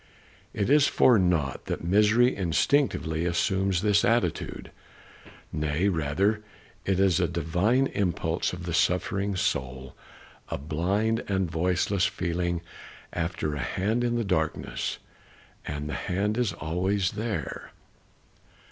Is it for naught that misery instinctively assumes this attitude? Nay, rather, it is a divine impulse of the suffering soul, a blind and voiceless feeling after a hand in the darkness. And the hand is always there.